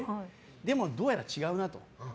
でも、どうやら違うなと。